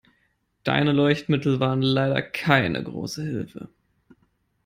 Deine Leuchtmittel waren leider keine große Hilfe.